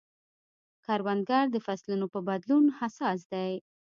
کروندګر د فصلونو په بدلون حساس دی